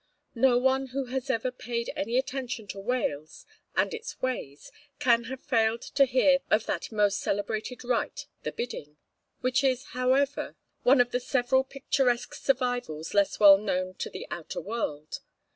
No one who has ever paid any attention to Wales and its ways can have failed to hear of that most celebrated rite the Bidding, which is, however, one of several picturesque survivals less well known to the outer world.